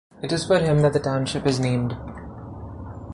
It is for him that the township is named.